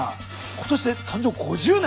今年で誕生５０年。